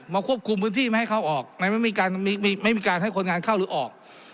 ควบคุมพื้นที่ไม่ให้เข้าออกในไม่มีการไม่มีการให้คนงานเข้าหรือออก